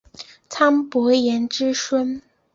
岑伯颜之孙。